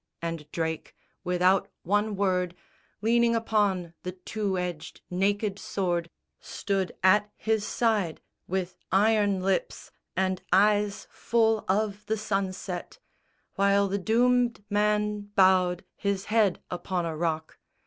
And Drake, without one word, Leaning upon the two edged naked sword Stood at his side, with iron lips, and eyes Full of the sunset; while the doomed man bowed His head upon a rock.